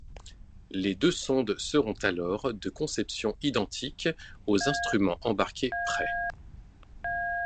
Les deux sondes seront alors de conception identique, aux instruments embarqués près.